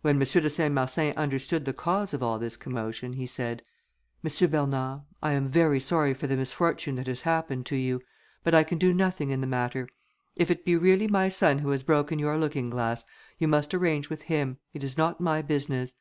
When M. de Saint Marsin understood the cause of all this commotion, he said, "M. Bernard, I am very sorry for the misfortune that has happened to you, but I can do nothing in the matter. If it be really my son who has broken your looking glass, you must arrange with him, it is not my business."